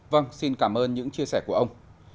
vâng xin cảm ơn những chia sẻ của ông